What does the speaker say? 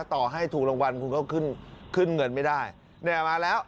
ต่อให้ถูกรางวัลคุณก็ขึ้นขึ้นเงินไม่ได้เนี่ยมาแล้ว